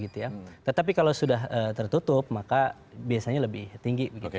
tetapi kalau sudah tertutup maka biasanya lebih tinggi